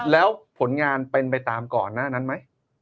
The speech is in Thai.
แล้วผลงานเป็นไปตามก่อนหน้านั้นไหม